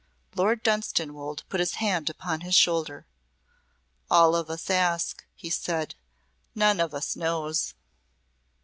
Lord Dunstanwolde put his hand upon his shoulder. "All of us ask," he said. "None of us knows."